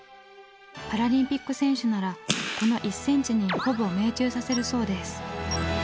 パラリンピック選手ならこの１ｃｍにほぼ命中させるそうです。